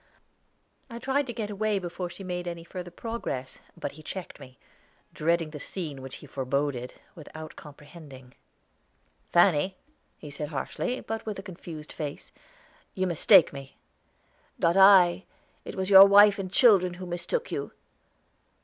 I tried to get away before she made any further progress; but he checked me, dreading the scene which he foreboded, without comprehending. "Fanny," he said harshly, but with a confused face, "you mistake me." "Not I; it was your wife and children who mistook you."